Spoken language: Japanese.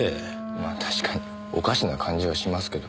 まあ確かにおかしな感じはしますけど。